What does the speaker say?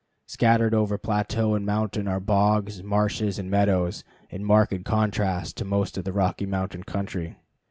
Scattered over plateau and mountain are bogs, marshes, and meadows in marked contrast to most of the Rocky Mountain country.